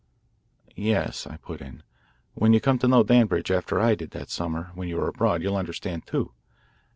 "Yes," I put in, "when you come to know Danbridge as I did after that summer when you were abroad, you'll understand, too.